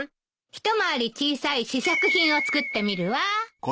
一回り小さい試作品を作ってみるわ。